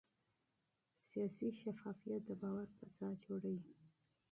سیاسي شفافیت د باور فضا جوړوي